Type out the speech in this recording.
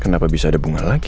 kenapa bisa ada bunga lagi